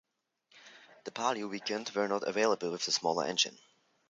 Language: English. The Palio Weekend were not available with the smaller engine.